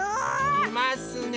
いますね。